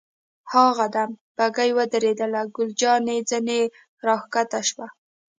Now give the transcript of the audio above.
هاغه ده، بګۍ ودرېدل، ګل جانې ځنې را کښته شوه.